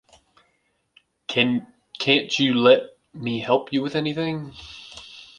Can't you let me help you with anything?